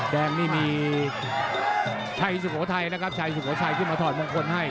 แดงนี่มีชัยสุโขทัยนะครับชัยสุโขทัยขึ้นมาถอดมงคลให้